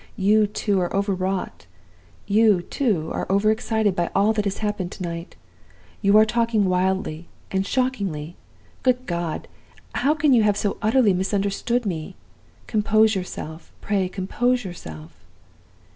'You, too, are overwrought you, too, are overexcited by all that has happened to night. You are talking wildly and shockingly. Good God! how can you have so utterly misunderstood me? Compose yourself pray, compose yourself.